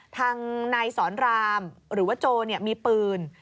ทางนายสอนรามหรือว่าโจมีปืน